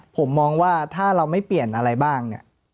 ผมมองว่าถ้าเราไม่เปลี่ยนอะไรบ้างเนี่ย